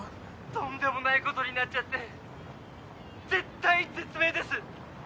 ☎とんでもないことになっちゃって☎絶体絶命です！